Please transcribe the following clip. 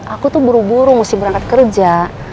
aku tuh buru buru mesti berangkat kerja